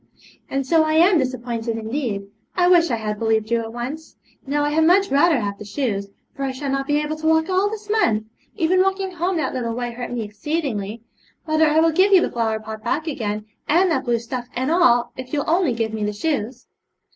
'And so I am disappointed, indeed. I wish I had believed you at once. Now I had much rather have the shoes, for I shall not be able to walk all this month; even walking home that little way hurt me exceedingly. Mother, I will give you the flower pot back again, and that blue stuff and all, if you'll only give me the shoes.'